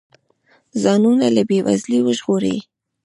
ځانونه له بې وزلۍ وژغوري.